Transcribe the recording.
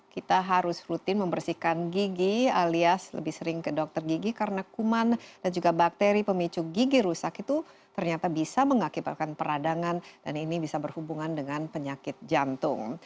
kita harus rutin membersihkan gigi alias lebih sering ke dokter gigi karena kuman dan juga bakteri pemicu gigi rusak itu ternyata bisa mengakibatkan peradangan dan ini bisa berhubungan dengan penyakit jantung